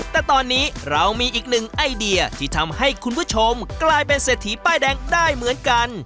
แต่ตอนนี้เรามีอีกหนึ่งไอเดียที่ทำให้คุณผู้ชมกลายเป็นเศรษฐีป้ายแดงได้เหมือนกัน